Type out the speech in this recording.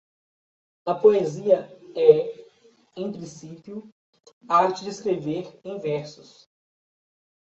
A poesia é, em princípio, a arte de escrever em versos.